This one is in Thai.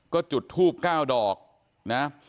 ก็จุดทูบ๙ดอกนะ